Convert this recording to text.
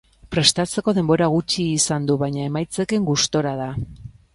Prestatzeko denbora gutxi izan du baina emaitzekin gustora da.